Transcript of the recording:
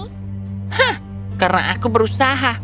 hah karena aku berusaha